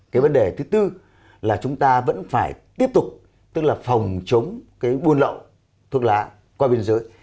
cái vấn đề thứ tư là chúng ta vẫn phải tiếp tục tức là phòng chống cái buôn lậu thuốc lá qua biên giới